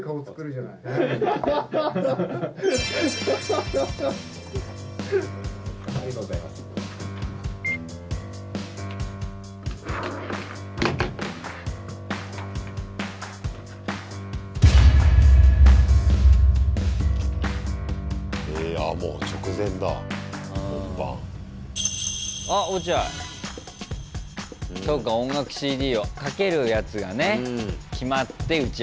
そうか音楽ＣＤをかけるやつがね決まって打ち合わせで。